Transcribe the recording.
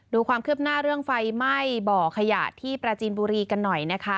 ดูความคืบหน้าเรื่องไฟไหม้บ่อขยะที่ปราจีนบุรีกันหน่อยนะคะ